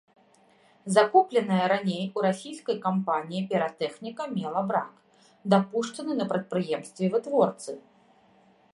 Закупленая раней у расійскай кампаніі піратэхніка мела брак, дапушчаны на прадпрыемстве-вытворцы.